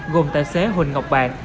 gồm tài xế huỳnh ngọc bạn